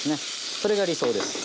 それが理想です。